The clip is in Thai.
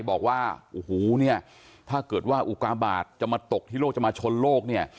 บอกว่าโอ้โหเนี่ยถ้าเกิดว่าอุกาบาทจะมาตกที่โลกจะมาชนโลกเนี่ย